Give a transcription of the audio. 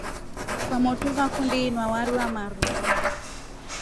Kwamotu vakundi inywa wari wamaru.